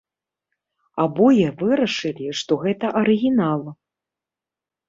Абое вырашылі, што гэта арыгінал.